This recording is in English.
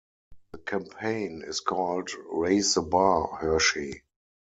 The campaign is called Raise the Bar, Hershey.